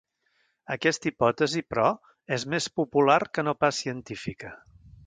Aquesta hipòtesi, però, és més popular que no pas científica.